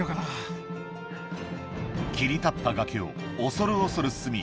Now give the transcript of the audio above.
切り立った崖を恐る恐る進み